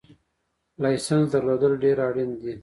لایسنس درلودل ډېر اړین دي